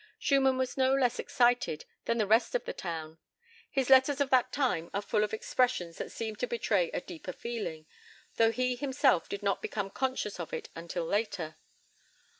Schumann was no less excited than the rest of the town. His letters of that time are full of expressions that seem to betray a deeper feeling, though he himself did not become conscious of it until later.